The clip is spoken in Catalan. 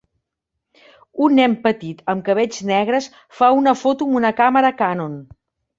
Un nen petit amb cabells negres fa una foto amb una càmera Canon.